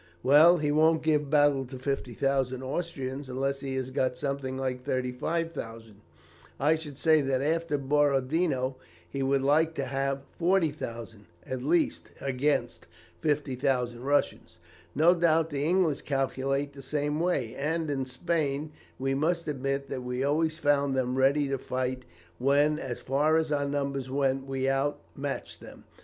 Well, he won't give battle to 50,000 Austrians unless he has got something like 35,000. I should say that after Borodino he would like to have 40,000, at least, against 50,000 Russians. No doubt the English calculate the same way, and, in Spain, we must admit that we always found them ready to fight when, as far as numbers went, we outmatched them.